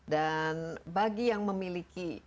dan bagi yang memiliki